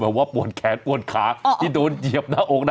แบบว่าปวดแขนปวดขาเอ่อที่โดนเหยียบหน้าอกหน่ะ